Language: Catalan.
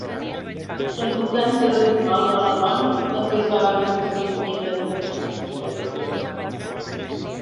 La importància de complaure a la dona també es va veure disminuïda en textos posteriors.